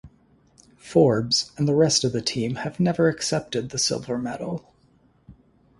Forbes and the rest of the team have never accepted the silver medal.